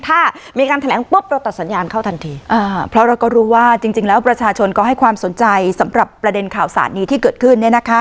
ถ้ามีการแถลงปุ๊บเราตัดสัญญาณเข้าทันทีเพราะเราก็รู้ว่าจริงแล้วประชาชนก็ให้ความสนใจสำหรับประเด็นข่าวสารนี้ที่เกิดขึ้น